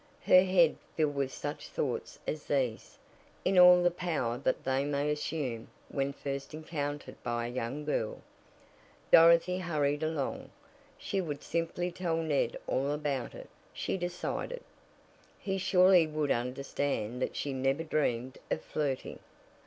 Her head filled with such thoughts as these, in all the power that they may assume when first encountered by a young girl, Dorothy hurried along. She would simply tell Ned all about it, she decided. He surely would understand that she never dreamed of "flirting."